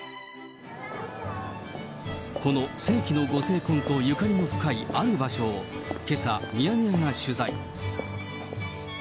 この世紀のご成婚とゆかりの深いある場所を、けさ、ミヤネ屋が取材。